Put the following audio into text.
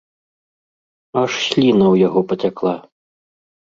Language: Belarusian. Аж сліна ў яго пацякла.